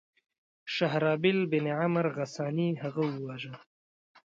شهرابیل بن عمرو غساني هغه وواژه.